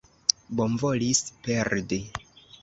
Bonvolis perdi.